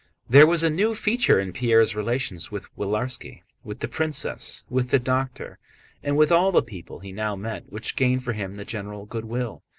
There was a new feature in Pierre's relations with Willarski, with the princess, with the doctor, and with all the people he now met, which gained for him the general good will.